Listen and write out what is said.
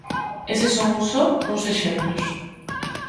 Eses son só uns exemplos.